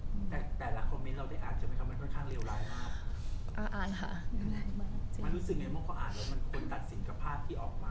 อ่านค่ะมันรู้สึกไงเมื่ออ่านว่ามันควรตัดสินค้าที่ออกมา